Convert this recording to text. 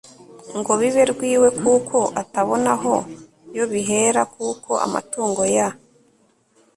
ngo bibe rwiwe kuko atabona aho yobihera kuko amatungo ya